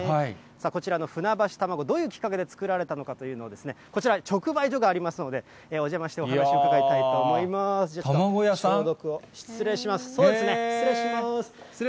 こちらの船橋たまご、どういうきっかけで作られたのかというのを、こちら、直売所がありますので、お邪魔してお話伺いたいと思います。